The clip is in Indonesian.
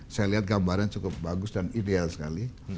saya lihat gambarnya cukup bagus dan ideal sekali